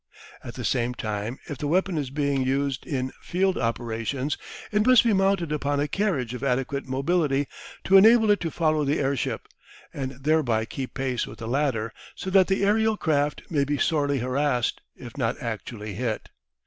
At the same time, if the weapon is being used in field operations it must be mounted upon a carriage of adequate mobility to enable it to follow the airship, and thereby keep pace with the latter, so that the aerial craft may be sorely harassed if not actually hit.